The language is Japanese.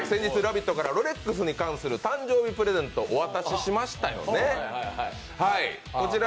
先日、ロレックスに関する誕生日プレゼントをお渡ししましたよね。